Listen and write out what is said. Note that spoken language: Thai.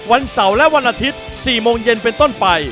วันเสาร์และวันอาทิตย์๔โมงเย็นเป็นต้นไป